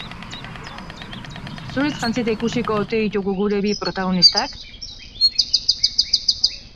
Zuriz jantzita ikusiko ote ditugu gure bi protagonistak?